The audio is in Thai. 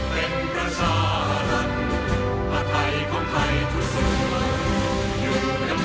ใครไม่รับสมมติแต่ทุกโลกไม่กล้า